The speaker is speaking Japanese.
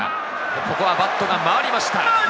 ここはバットが回りました。